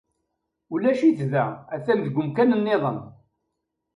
Ulac-it da atan deg umkan-nniḍen.